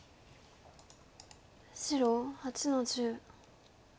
白８の十。